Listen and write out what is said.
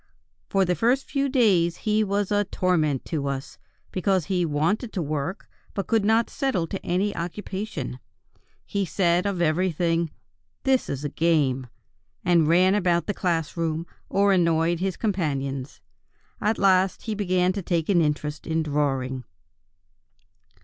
"For the first few days he was a torment to us, because he wanted to work, but could not settle to any occupation. He said of everything: 'This is a game,' and ran about the class room, or annoyed his companions. At last he began to take an interest in drawing."